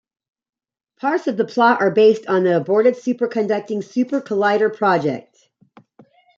Parts of the plot are based on the aborted Superconducting Super Collider project.